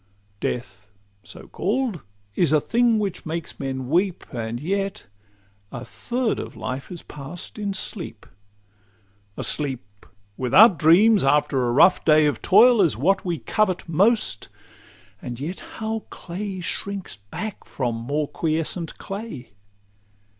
Death, so call'd, is a thing which makes men weep, And yet a third of life is pass'd in sleep. A sleep without dreams, after a rough day Of toil, is what we covet most; and yet How clay shrinks back from more quiescent clay!